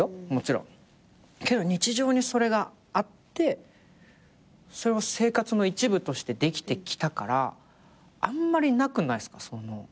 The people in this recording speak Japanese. けど日常にそれがあってそれを生活の一部としてできてきたからあんまりなくないですか？